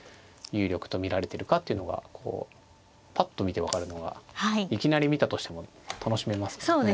有力と見られてるかっていうのがぱっと見て分かるのがいきなり見たとしても楽しめますからね。